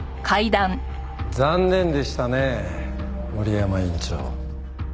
残念でしたね森山院長。